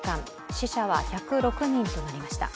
死者は１０６人になりました。